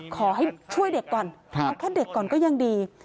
ขอให้ช่วยเด็กก่อนเอาแค่เด็กก่อนก็ยังดี